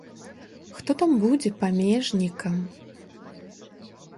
Хто там будзе памежнікам?